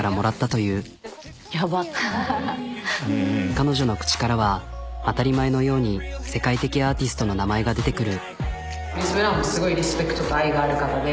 彼女の口からは当たり前のように世界的アーティストの名前が出てくる。